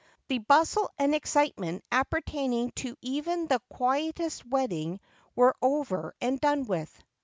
The bustle and excitement appertaining to even the quietest wedding were over and done with.